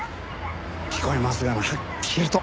聞こえますがなはっきりと。